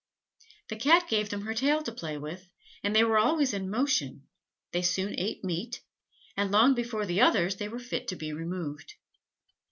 The Cat gave them her tail to play with, and they were always in motion; they soon ate meat, and long before the others they were fit to be removed.